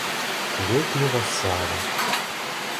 Летнего Сада.